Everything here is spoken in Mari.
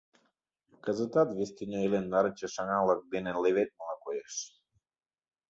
Кызытат вес тӱня илем нарынче шыҥалык дене леведмыла коеш.